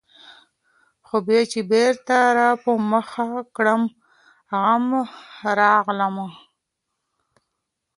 خو بيا چي بېرته راپه مخه کړمه غم ، راغلمه